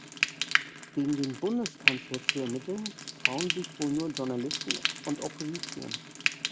Gegen den Bundeskanzler zu ermitteln, trauen sich wohl nur Journalisten und Opposition.